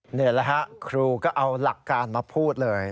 เหนื่อยแล้วครับครูก็เอาหลักการมาพูดเลย